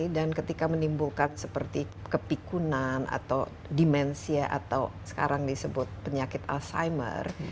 dan ketika menimbulkan seperti kepikunan atau dimensia atau sekarang disebut penyakit alzheimer